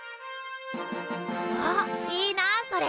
わっいいなそれ。